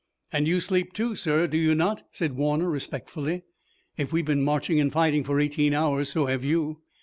"And you sleep, too, sir, do you not?" said Warner, respectfully. "If we've been marching and fighting for eighteen hours so have you."